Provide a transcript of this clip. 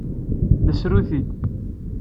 Nessru-t-id.